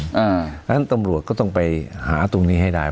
เพราะฉะนั้นตำรวจก็ต้องไปหาตรงนี้ให้ได้